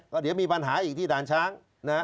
ก็มีปัญหาอีกที่ด่านช้าง